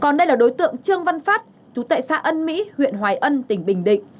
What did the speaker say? còn đây là đối tượng trương văn phát chú tệ xã ân mỹ huyện hoài ân tỉnh bình định